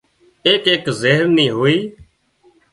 ايڪ ايڪ زهر نِي هوئي